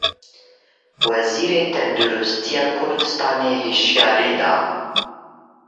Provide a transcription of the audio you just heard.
Wezîrê Tendirustiya Kurdistanê hişyarî da.